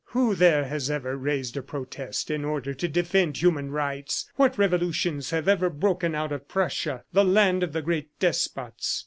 Who there has ever raised a protest in order to defend human rights? What revolutions have ever broken out in Prussia, the land of the great despots?